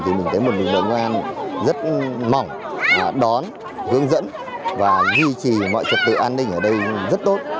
thì mình thấy một lực lượng công an rất mỏng đón hướng dẫn và duy trì mọi trật tự an ninh ở đây rất tốt